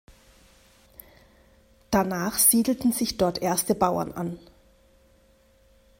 Danach siedelten sich dort erste Bauern an.